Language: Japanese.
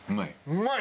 うまい！